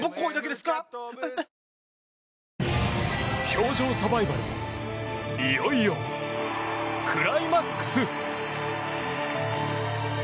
氷上サバイバルもいよいよクライマックス。